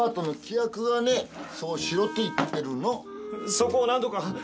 そこをなんとか！